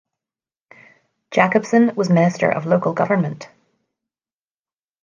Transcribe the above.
Jakobsen was Minister of Local Government.